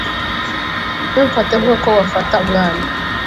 Ntumfate nkuko wafata umwana.